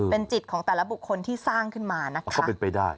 เป็นจิตของแต่ละบุคคลที่สร้างขึ้นมานะคะก็เป็นไปได้